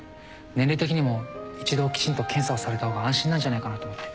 年齢的にも一度きちんと検査をされた方が安心なんじゃないかなと思って。